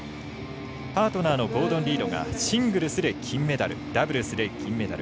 パートナーのゴードン・リードがシングルスで金メダルダブルスで銀メダル。